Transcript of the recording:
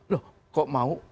loh kok mau